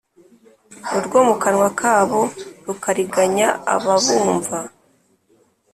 urwo mu kanwa kabo rukariganya ababumva